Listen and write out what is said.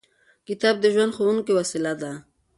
کتاب د ژوند ښوونکې وسیله ده.